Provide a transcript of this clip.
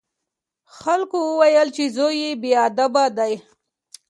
خلکو وویل چې زوی یې بې ادبه دی.